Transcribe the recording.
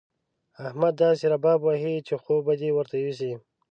احمد داسې رباب وهي چې خوب به دې ورته يوسي.